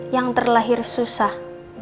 yang terlahir susah